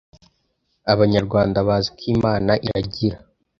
Abanyarwanda bazi ko Imana iragira